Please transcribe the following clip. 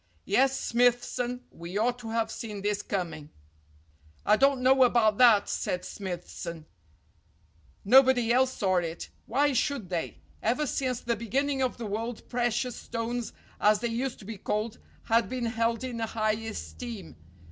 Yes, Smithson, we ought to have seen this coming." "I don't know about that," said Smithson. "No 309 310 STORIES WITHOUT TEARS body else saw it. Why should they? Ever since the beginning of the world precious stones, as they used to be called, had been held in high esteem.